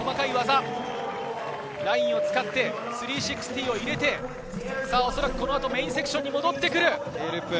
ラインを使って３６０を入れて、メインセクションに戻ってくる。